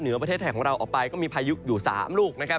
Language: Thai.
ประเทศไทยของเราออกไปก็มีพายุอยู่๓ลูกนะครับ